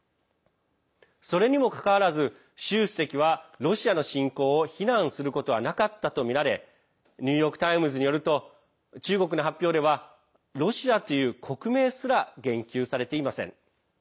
それにもかかわらず習主席はロシアの侵攻を非難することはなかったとみられニューヨーク・タイムズによると中国の発表ではロシアという国名すら言及されていません。